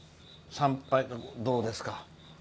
参拝、どうですか。